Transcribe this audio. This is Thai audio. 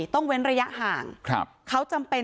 เว้นระยะห่างเขาจำเป็น